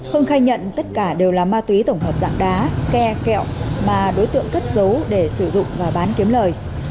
hưng khai nhận tất cả đều là ma túy tổng hợp dạng đá ke kẹo mà đối tượng cất giấu để sử dụng và bán kiếm lời